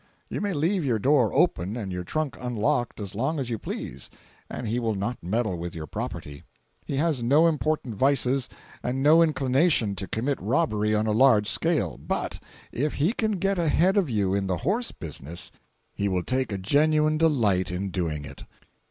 You may leave your door open and your trunk unlocked as long as you please, and he will not meddle with your property; he has no important vices and no inclination to commit robbery on a large scale; but if he can get ahead of you in the horse business, he will take a genuine delight in doing it.